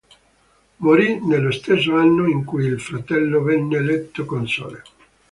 Morì nello stesso anno in cui il fratello venne eletto console.